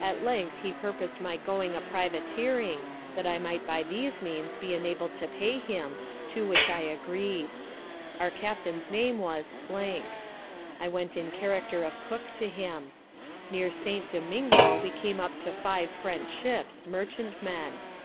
At length he purpos'd my going a Privateering, that I might by these means, be enabled to pay him, to which I agreed. Our Captain's name was I went in Character of Cook to him. Near St. Domingo we came up to five French ships, Merchant men.